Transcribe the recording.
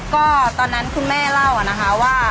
ก็ตอนนั้นคุณแม่เล่านะคะว่า